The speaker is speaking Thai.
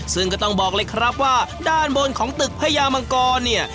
ซึ่งก็ต้องบอกเลยครับว่าด้านบนของตึกพญามังกรเนี่ย